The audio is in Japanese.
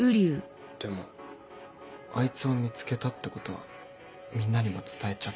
でもあいつを見つけたってことはみんなにも伝えちゃってて。